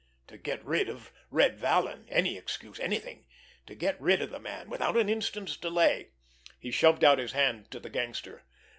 To get rid of Red Vallon! Any excuse—anything! To get rid of the man—without an instant's delay! He shoved out his hand to the gangster.